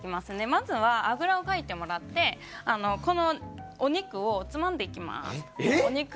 まずはあぐらをかいていただいてお肉をつまんでいきます。